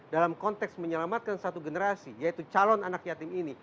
dalam konteks menyelamatkan satu generasi yaitu calon anak yatim ini